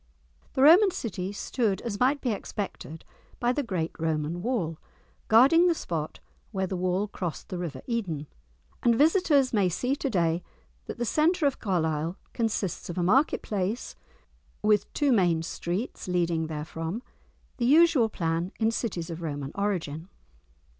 The Roman city stood, as might be expected, by the great Roman wall, guarding the spot where the wall crossed the river Eden. And visitors may see to day that the centre of Carlisle consists of a market place with two main streets leading therefrom, the usual plan in cities of Roman origin.